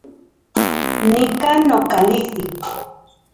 Nika nokalijtik